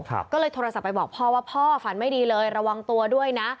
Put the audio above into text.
ก็เลยโทรศัพท์ไปบอกพ่อว่าพ่อฝันไม่ดีเลยระวังตัวด้วยนะ